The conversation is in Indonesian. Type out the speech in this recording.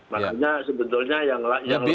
makanya sebetulnya yang lebih